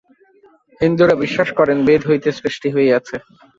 হিন্দুরা বিশ্বাস করেন, বেদ হইতে সৃষ্টি হইয়াছে।